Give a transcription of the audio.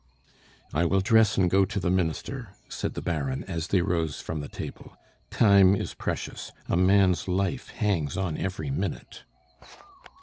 "I will dress and go to the Minister," said the Baron, as they rose from table. "Time is precious; a man's life hangs on every minute."